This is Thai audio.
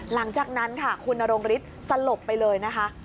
หลังจากนั้นค่ะคุณนรงฤทธิ์สลบไปเลยนะคะ